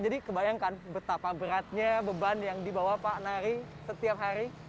jadi kebayangkan betapa beratnya beban yang dibawa pak nari setiap hari